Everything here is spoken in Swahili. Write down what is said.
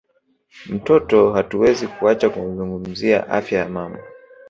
mtoto hatuwezi kuacha kuzungumzia afya ya mama